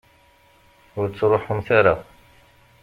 Ur ttruḥumt ara.